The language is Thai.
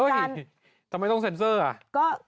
ทำไมต้องเซ็นเซอร์อ่ะ